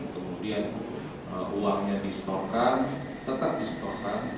kemudian uangnya distorkan tetap distorkan